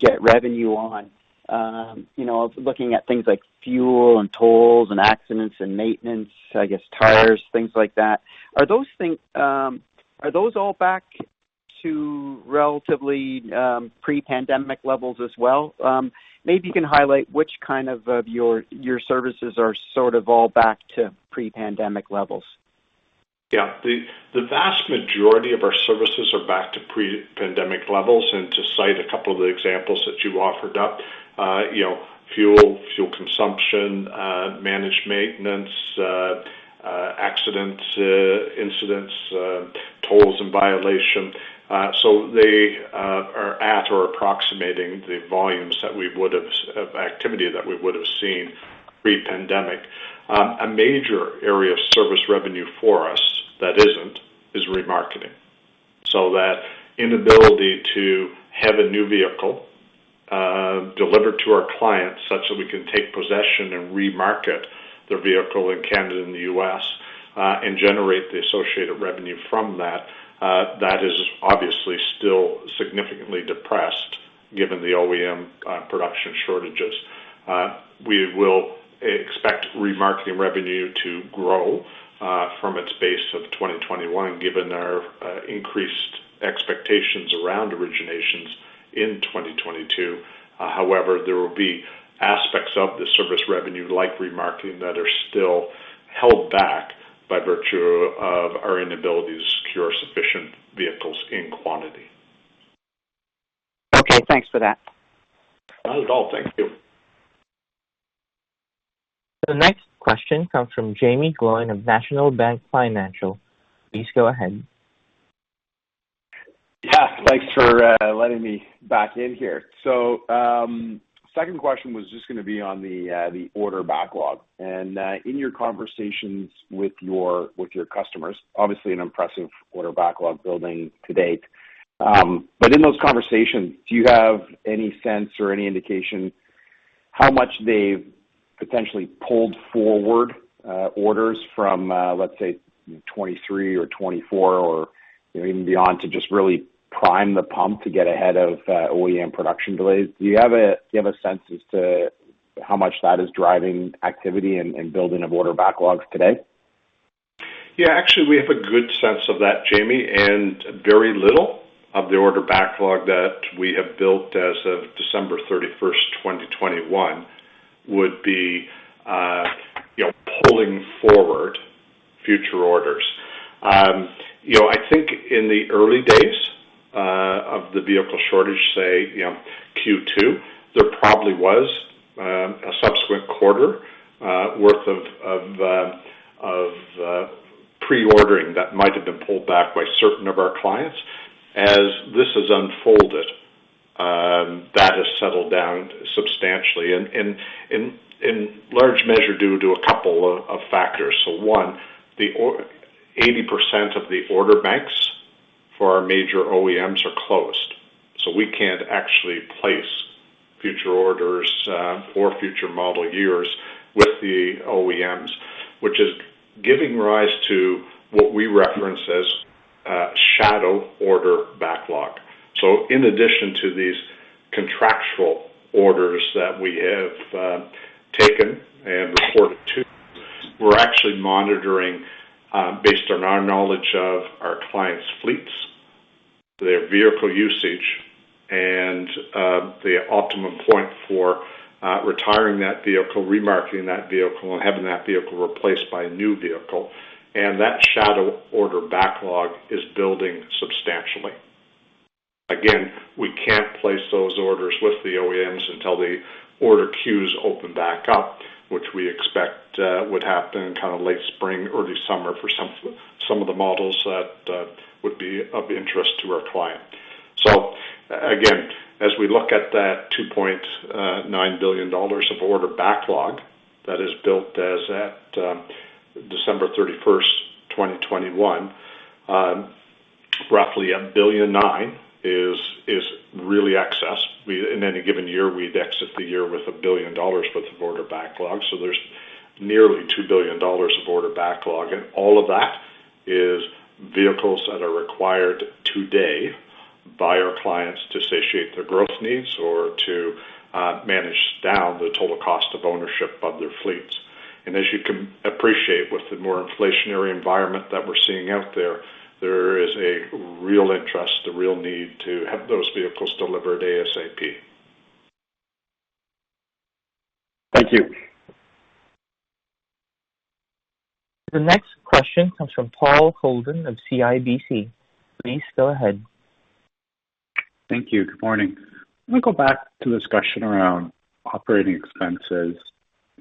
S7: get revenue on, you know, looking at things like fuel and tolls and accidents and maintenance, I guess tires, things like that. Are those things all back to relatively pre-pandemic levels as well? Maybe you can highlight which kind of your services are sort of all back to pre-pandemic levels.
S2: Yeah. The vast majority of our services are back to pre-pandemic levels. To cite a couple of the examples that you offered up, you know, fuel consumption, managed maintenance, accident incidents, tolls and violation. They are at or approximating the volumes that we would have of activity that we would have seen pre-pandemic. A major area of service revenue for us that isn't is remarketing. That inability to have a new vehicle delivered to our clients such that we can take possession and remarket the vehicle in Canada and the U.S. and generate the associated revenue from that is obviously still significantly depressed given the OEM production shortages. We will expect remarketing revenue to grow from its base of 2021, given our increased expectations around originations in 2022. However, there will be aspects of the service revenue like remarketing that are still held back by virtue of our inability to secure sufficient vehicles in quantity.
S7: Okay, thanks for that.
S2: Not at all. Thank you.
S1: The next question comes from Jaeme Gloyn of National Bank Financial. Please go ahead.
S6: Yeah, thanks for letting me back in here. Second question was just gonna be on the order backlog. In your conversations with your customers, obviously an impressive order backlog building to date. In those conversations, do you have any sense or any indication how much they've potentially pulled forward orders from, let's say 2023 or 2024 or, you know, even beyond, to just really prime the pump to get ahead of OEM production delays? Do you have a sense as to how much that is driving activity and building of order backlogs today?
S2: Yeah, actually, we have a good sense of that, Jamie, and very little of the order backlog that we have built as of December 31, 2021 would be, you know, pulling forward future orders. You know, I think in the early days of the vehicle shortage, say, you know, Q2, there probably was a subsequent quarter worth of pre-ordering that might have been pulled back by certain of our clients. As this has unfolded, that has settled down substantially in large measure due to a couple of factors. One, 80% of the order banks for our major OEMs are closed, so we can't actually place future orders or future model years with the OEMs, which is giving rise to what we reference as shadow order backlog. In addition to these contractual orders that we have taken and reported. Actually monitoring, based on our knowledge of our clients' fleets, their vehicle usage, and the optimum point for retiring that vehicle, remarketing that vehicle, and having that vehicle replaced by a new vehicle. That shadow order backlog is building substantially. Again, we can't place those orders with the OEMs until the order queues open back up, which we expect would happen kind of late spring, early summer for some of the models that would be of interest to our client. Again, as we look at that $2.9 billion of order backlog that is built as at December 31, 2021, roughly $1.9 billion is really excess. In any given year, we'd exit the year with 1 billion dollars worth of order backlog, so there's nearly 2 billion dollars of order backlog. All of that is vehicles that are required today by our clients to satiate their growth needs or to manage down the total cost of ownership of their fleets. As you can appreciate with the more inflationary environment that we're seeing out there is a real interest, a real need to have those vehicles delivered ASAP.
S3: Thank you.
S1: The next question comes from Paul Holden of CIBC. Please go ahead.
S8: Thank you. Good morning. I'm gonna go back to the discussion around operating expenses.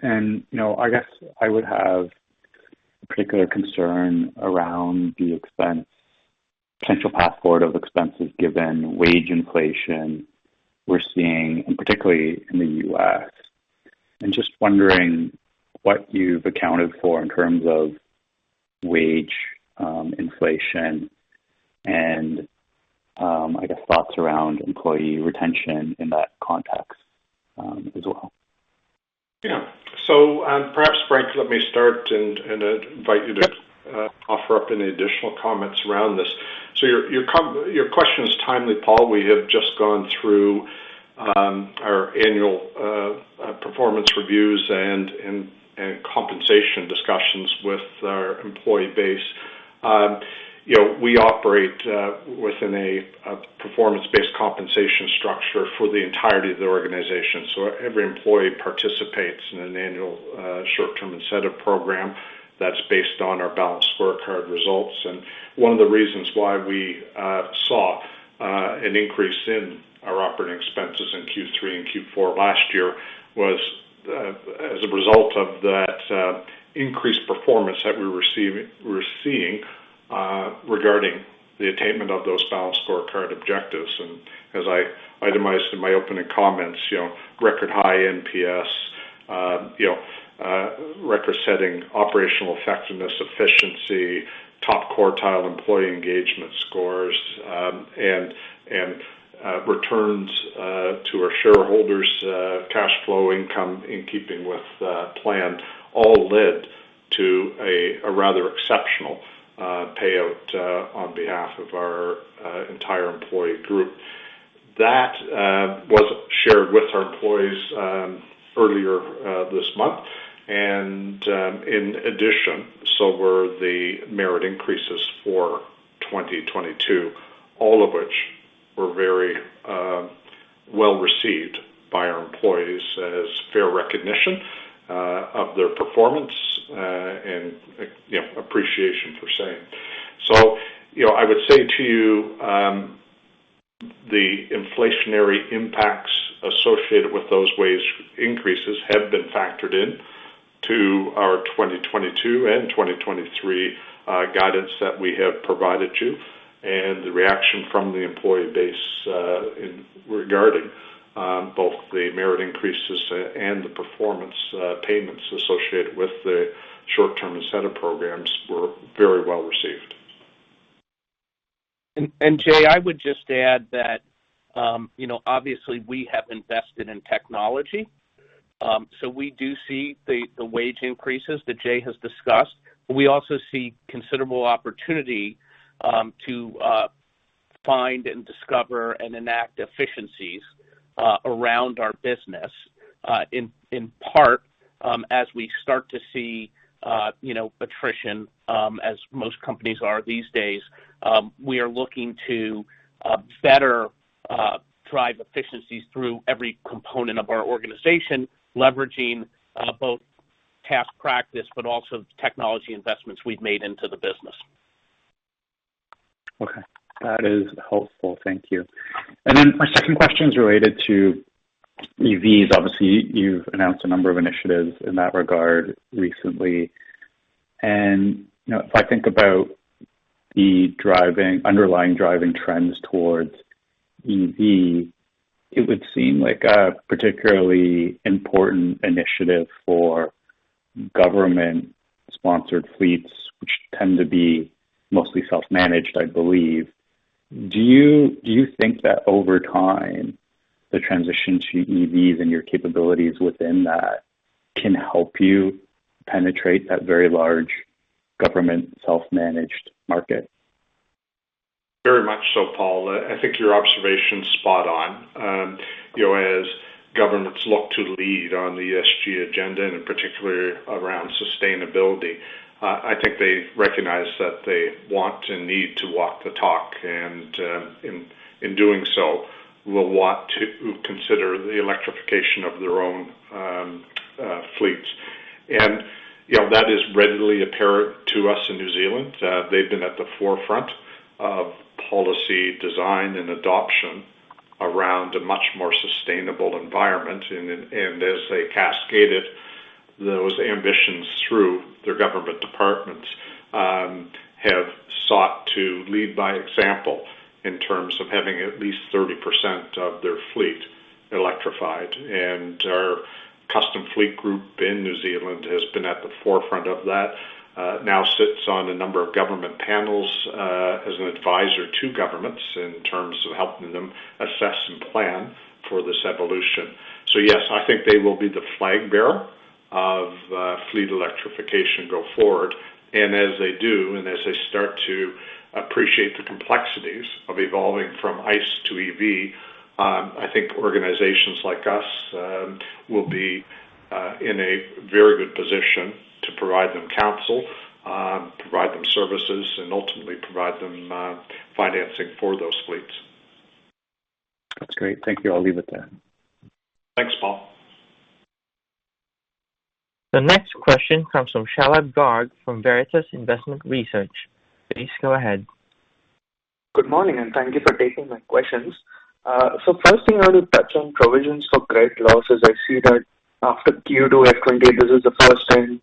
S8: You know, I guess I would have a particular concern around the expense potential path forward of expenses given wage inflation we're seeing, and particularly in the U.S. I'm just wondering what you've accounted for in terms of wage inflation and, I guess, thoughts around employee retention in that context, as well.
S2: Yeah. Perhaps, Frank, let me start and invite you to offer up any additional comments around this. Your question is timely, Paul. We have just gone through our annual performance reviews and compensation discussions with our employee base. You know, we operate within a performance-based compensation structure for the entirety of the organization. Every employee participates in an annual short-term incentive program that's based on our balanced scorecard results. One of the reasons why we saw an increase in our operating expenses in Q3 and Q4 last year was as a result of that increased performance that we're seeing regarding the attainment of those balanced scorecard objectives. As I itemized in my opening comments, you know, record high NPS, you know, record-setting operational effectiveness, efficiency, top quartile employee engagement scores, and returns to our shareholders, cash flow income in keeping with plan, all led to a rather exceptional payout on behalf of our entire employee group. That was shared with our employees earlier this month. In addition, so were the merit increases for 2022, all of which were very well received by our employees as fair recognition of their performance, and you know, appreciation for same. You know, I would say to you, the inflationary impacts associated with those wage increases have been factored in to our 2022 and 2023 guidance that we have provided you. The reaction from the employee base, regarding both the merit increases and the performance payments associated with the short-term incentive programs were very well received.
S3: Jay, I would just add that, you know, obviously we have invested in technology, so we do see the wage increases that Jay has discussed. We also see considerable opportunity to find and discover and enact efficiencies around our business, in part, as we start to see, you know, attrition, as most companies are these days. We are looking to better drive efficiencies through every component of our organization, leveraging both past practice, but also technology investments we've made into the business.
S8: Okay. That is helpful. Thank you. My second question is related to EVs. Obviously, you've announced a number of initiatives in that regard recently. You know, if I think about the underlying driving trends towards EV, it would seem like a particularly important initiative for government-sponsored fleets, which tend to be mostly self-managed, I believe. Do you think that over time, the transition to EVs and your capabilities within that can help you penetrate that very large government self-managed market?
S2: Very much so, Paul. I think your observation's spot on. You know, as governments look to lead on the ESG agenda, and in particular around sustainability, I think they recognize that they want and need to walk the talk, and, in doing so, will want to consider the electrification of their own fleets. You know, that is readily apparent to us in New Zealand. They've been at the forefront of policy design and adoption around a much more sustainable environment. As they cascaded those ambitions through their government departments, they have sought to lead by example in terms of having at least 30% of their fleet electrified. Our Custom Fleet group in New Zealand has been at the forefront of that. Now sits on a number of government panels, as an advisor to governments in terms of helping them assess and plan for this evolution. Yes, I think they will be the flag bearer of fleet electrification go forward. As they do, and as they start to appreciate the complexities of evolving from ICE to EV, I think organizations like us will be in a very good position to provide them counsel, provide them services, and ultimately provide them financing for those fleets.
S8: That's great. Thank you. I'll leave it there.
S3: Thanks, Paul.
S1: The next question comes from Shalabh Garg from Veritas Investment Research. Please go ahead.
S9: Good morning, and thank you for taking my questions. First thing I want to touch on provisions for credit losses. I see that after Q2 at 28, this is the first time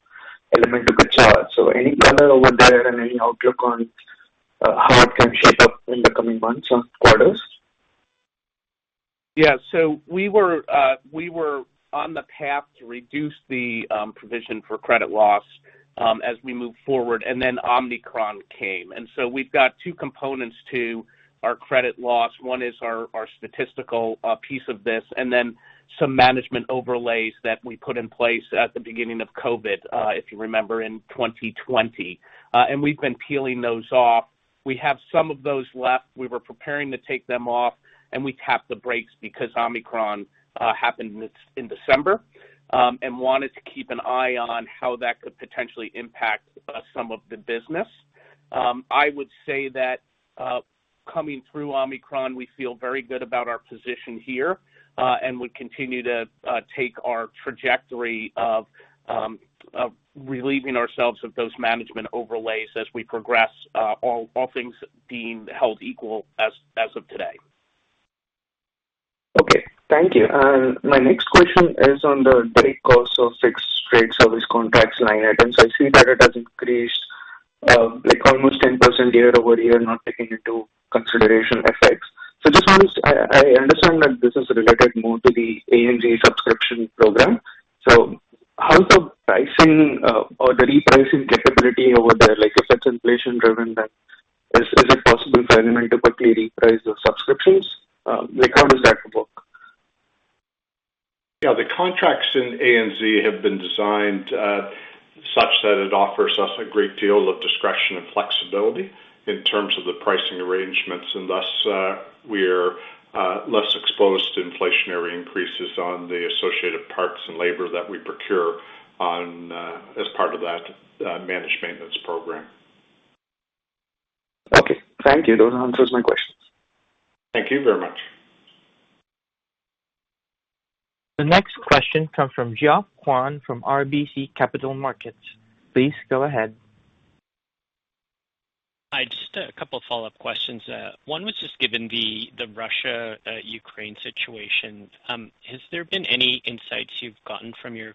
S9: Element could charge. Any color over there and any outlook on how it can shape up in the coming months or quarters?
S3: Yeah. We were on the path to reduce the provision for credit loss as we moved forward, and then Omicron came. We've got two components to our credit loss. One is our statistical piece of this, and then some management overlays that we put in place at the beginning of COVID, if you remember, in 2020. We've been peeling those off. We have some of those left. We were preparing to take them off, and we tapped the brakes because Omicron happened in December, and we wanted to keep an eye on how that could potentially impact some of the business. I would say that, coming through Omicron, we feel very good about our position here, and would continue to take our trajectory of relieving ourselves of those management overlays as we progress, all things being held equal as of today.
S9: Okay. Thank you. My next question is on the break cost of fixed-term service contracts line items. I see that it has increased like almost 10% year-over-year, not taking into consideration FX. I understand that this is related more to the Armada subscription program. How is the pricing or the repricing capability over there? Like, if it's inflation driven, then is it possible for Element to quickly reprice those subscriptions? Like, how does that work?
S2: Yeah. The contracts in Armada have been designed such that it offers us a great deal of discretion and flexibility in terms of the pricing arrangements. Thus, we're less exposed to inflationary increases on the associated parts and labor that we procure on as part of that managed maintenance program.
S9: Okay. Thank you. That answers my questions.
S3: Thank you very much.
S1: The next question comes from Geoffrey Kwan from RBC Capital Markets. Please go ahead.
S4: Hi, just a couple follow-up questions. One was just given the Russia Ukraine situation, has there been any insights you've gotten from your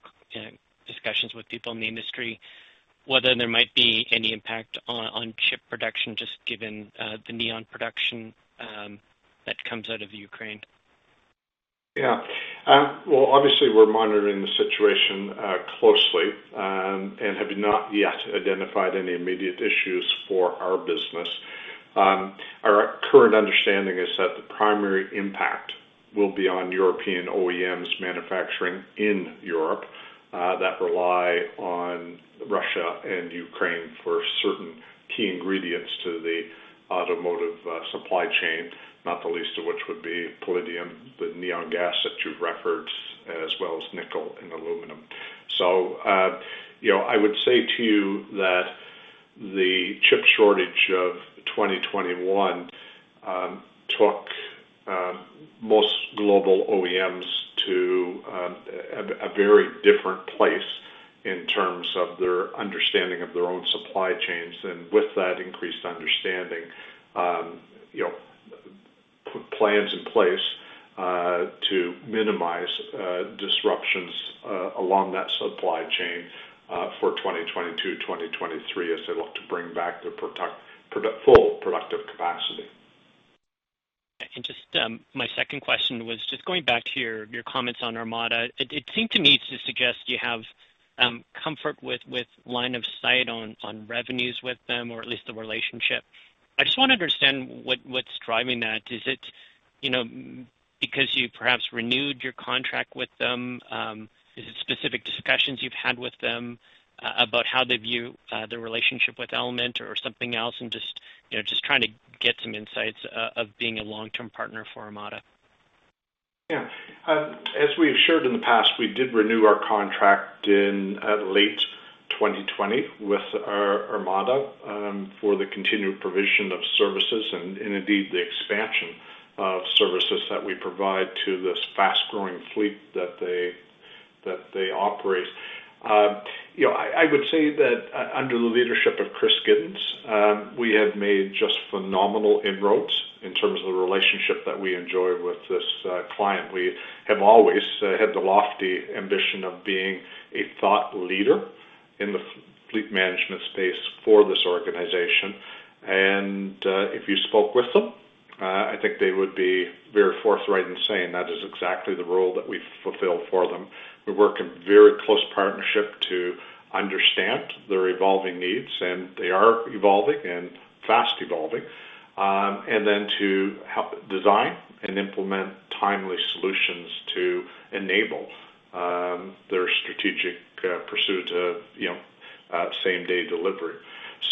S4: discussions with people in the industry whether there might be any impact on chip production just given the neon production that comes out of Ukraine?
S2: Yeah. Well, obviously, we're monitoring the situation closely and have not yet identified any immediate issues for our business. Our current understanding is that the primary impact will be on European OEMs manufacturing in Europe that rely on Russia and Ukraine for certain key ingredients to the automotive supply chain, not the least of which would be palladium, the neon gas that you've referenced, as well as nickel and aluminum. You know, I would say to you that the chip shortage of 2021 took most global OEMs to a very different place in terms of their understanding of their own supply chains. With that increased understanding, you know, put plans in place to minimize disruptions along that supply chain for 2022, 2023 as they look to bring back their full productive capacity.
S4: Just my second question was just going back to your comments on Armada. It seemed to me to suggest you have comfort with line of sight on revenues with them, or at least the relationship. I just wanna understand what's driving that. Is it you know, because you perhaps renewed your contract with them, is it specific discussions you've had with them about how they view the relationship with Element or something else? You know, just trying to get some insights of being a long-term partner for Armada.
S2: Yeah. As we have shared in the past, we did renew our contract in late 2020 with our Armada for the continued provision of services and indeed the expansion of services that we provide to this fast-growing fleet that they operate. You know, I would say that under the leadership of Chris Gittens, we have made just phenomenal inroads in terms of the relationship that we enjoy with this client. We have always had the lofty ambition of being a thought leader in the fleet management space for this organization. If you spoke with them, I think they would be very forthright in saying that is exactly the role that we fulfill for them. We work in very close partnership to understand their evolving needs, and they are evolving and fast evolving, and then to help design and implement timely solutions to enable their strategic pursuit of, you know, same-day delivery.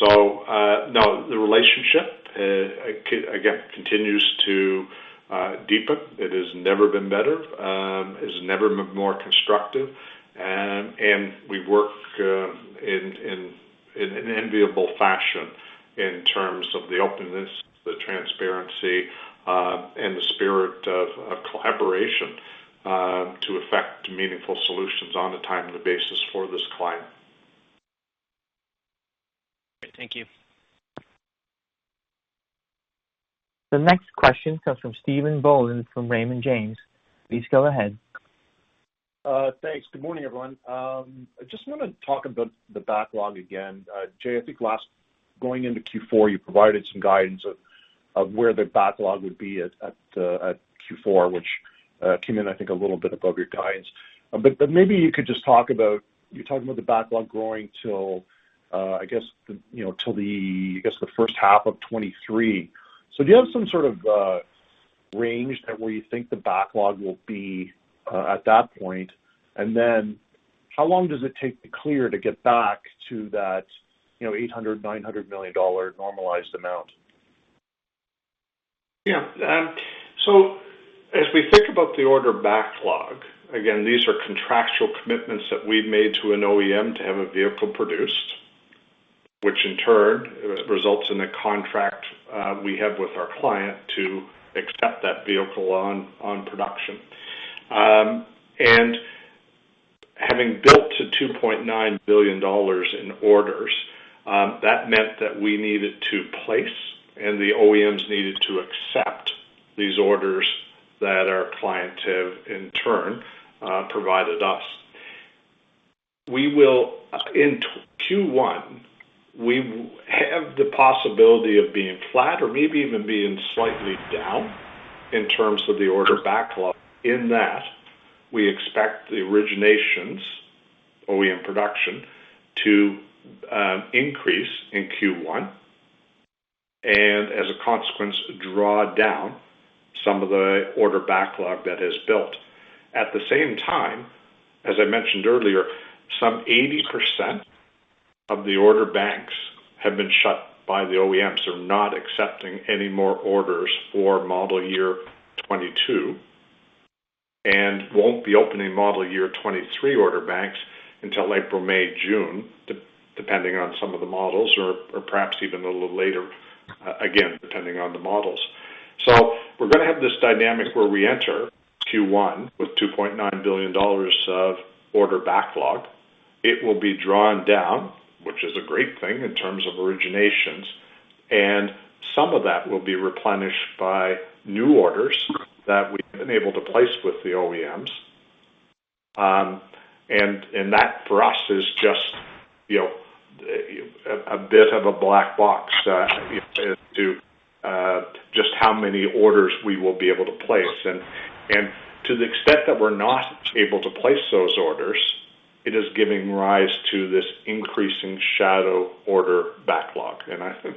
S2: No, the relationship continues to deepen. It has never been better, it's never more constructive. We work in an enviable fashion in terms of the openness, the transparency, and the spirit of collaboration to effect meaningful solutions on a timely basis for this client.
S4: Great. Thank you.
S1: The next question comes from Stephen Boland from Raymond James. Please go ahead.
S10: Thanks. Good morning, everyone. I just wanna talk about the backlog again. Jay, I think going into Q4, you provided some guidance of where the backlog would be at Q4, which came in I think a little bit above your guidance. Maybe you could just talk about you talked about the backlog growing till I guess you know till the first half of 2023. Do you have some sort of range that where you think the backlog will be at that point? Then how long does it take to clear to get back to that you know $800 million-$900 million normalized amount?
S2: As we think about the order backlog, again, these are contractual commitments that we've made to an OEM to have a vehicle produced, which in turn results in a contract we have with our client to accept that vehicle on production. Having built to $2.9 billion in orders, that meant that we needed to place and the OEMs needed to accept these orders that our client have in turn provided us. In Q1, we have the possibility of being flat or maybe even being slightly down in terms of the order backlog. In that, we expect the originations, OEM production, to increase in Q1, and as a consequence, draw down some of the order backlog that has built. At the same time, as I mentioned earlier, some 80% of the order banks have been shut by the OEMs. They're not accepting any more orders for model year 2022, and won't be opening model year 2023 order banks until April, May, June, depending on some of the models or perhaps even a little later, again, depending on the models. We're gonna have this dynamic where we enter Q1 with $2.9 billion of order backlog. It will be drawn down, which is a great thing in terms of originations, and some of that will be replenished by new orders that we've been able to place with the OEMs. And that for us is just, you know, a bit of a black box as to just how many orders we will be able to place. To the extent that we're not able to place those orders, it is giving rise to this increasing shadow order backlog. I think,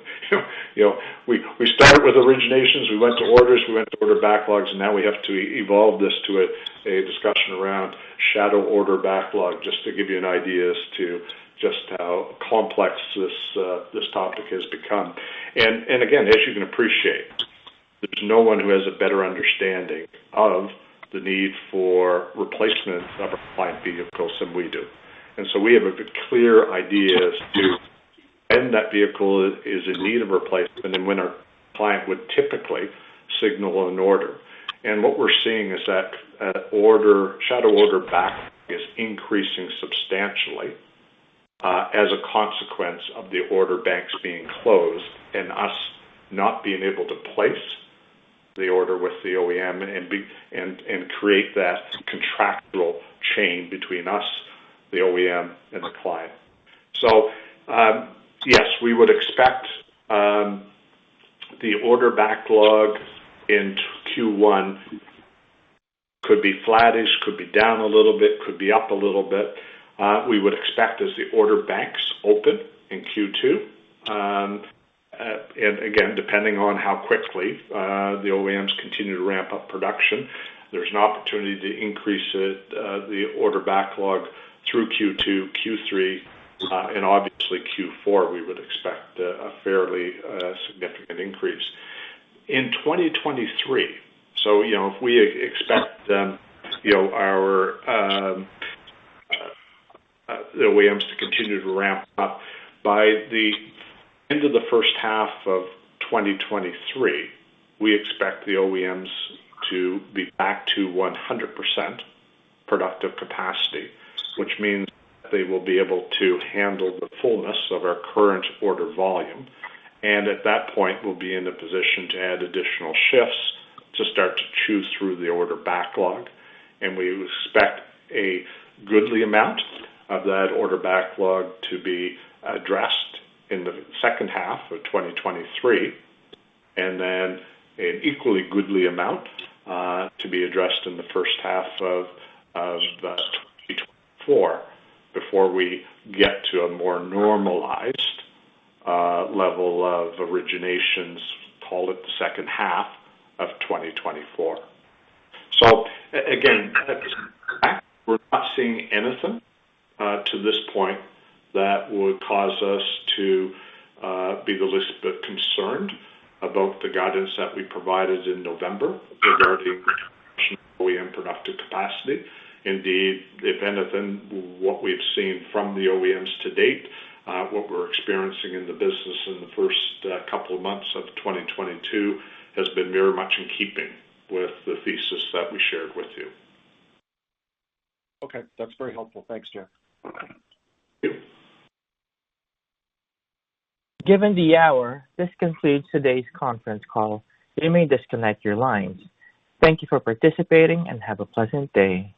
S2: you know, we started with originations, we went to orders, we went to order backlogs, and now we have to evolve this to a discussion around shadow order backlog, just to give you an idea as to just how complex this topic has become. Again, as you can appreciate, there's no one who has a better understanding of the need for replacement of our client vehicles than we do. We have a good, clear idea as to when that vehicle is in need of replacement and when our client would typically signal an order. What we're seeing is that shadow order backlog is increasing substantially as a consequence of the order banks being closed and us not being able to place the order with the OEM and create that contractual chain between us, the OEM, and the client. Yes, we would expect the order backlog in Q1 could be flattish, could be down a little bit, could be up a little bit. We would expect as the order banks open in Q2 and again, depending on how quickly the OEMs continue to ramp up production, there's an opportunity to increase the order backlog through Q2, Q3, and obviously Q4 we would expect a fairly significant increase. In 2023, you know, if we expect them, you know, our the OEMs to continue to ramp up by the end of the first half of 2023, we expect the OEMs to be back to 100% productive capacity, which means they will be able to handle the fullness of our current order volume. At that point, we'll be in a position to add additional shifts to start to chew through the order backlog, and we expect a goodly amount of that order backlog to be addressed in the second half of 2023, and then an equally goodly amount to be addressed in the first half of 2024 before we get to a more normalized level of originations, call it the second half of 2024. We're not seeing anything to this point that would cause us to be the least bit concerned about the guidance that we provided in November regarding OEM productive capacity. Indeed, if anything, what we've seen from the OEMs to date, what we're experiencing in the business in the first couple of months of 2022 has been very much in keeping with the thesis that we shared with you.
S10: Okay. That's very helpful. Thanks, Jay.
S2: Thank you.
S1: Given the hour, this concludes today's conference call. You may disconnect your lines. Thank you for participating, and have a pleasant day.